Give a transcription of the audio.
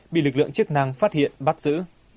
bị lực lượng chức năng phát hiện bắt giữ